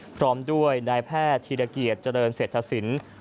พร้อมด้วยนายแพทย์ธีรเกียจเจริญเศรษฐศิลป์